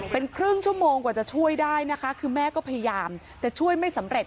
เป็นครึ่งชั่วโมงกว่าจะช่วยได้นะคะคือแม่ก็พยายามแต่ช่วยไม่สำเร็จ